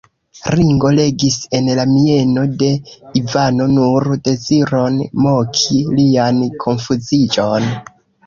Ringo legis en la mieno de Ivano nur deziron moki lian konfuziĝon.